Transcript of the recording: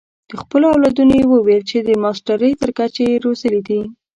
د خپلو اولادونو یې وویل چې د ماسټرۍ تر کچې یې روزلي دي.